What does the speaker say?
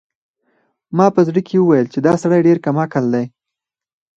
ما په زړه کې وویل چې دا سړی ډېر کم عقل دی.